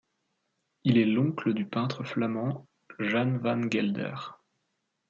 Il est l'oncle du peintre flamand Jan Van Gelder.